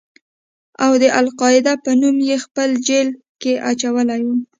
او د القاعده په نوم يې په جېل کښې اچولى و.